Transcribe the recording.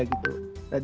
dan karena hal itu